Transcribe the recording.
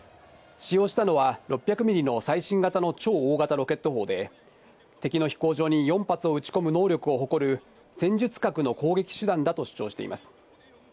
使用したのは６００ミリの最新型の超大型ロケット砲で、敵の飛行場に４発を撃ち込む能力を誇る戦術核の攻撃手段だと主張しています。